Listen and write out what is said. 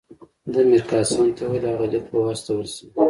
ده میرقاسم ته وویل هغه لیک به واستول شي.